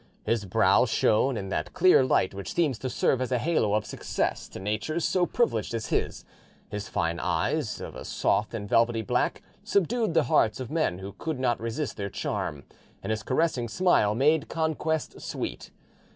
His brow shone in that clear light which seems to serve as a halo of success to natures so privileged as his; his fine eyes, of a soft and velvety black, subdued the hearts of men who could not resist their charm, and his caressing smile made conquest sweet.